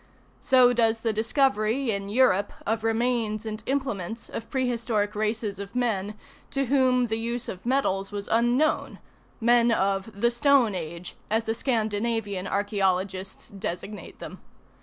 So does the discovery in Europe of remains and implements of pre historic races of men to whom the use of metals was unknown, ŌĆö men of the stone age, as the Scandinavian archaeologists designate them.